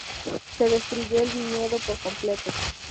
Se destruyó el viñedo por completo.